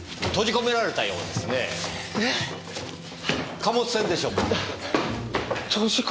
貨物船でしょうか。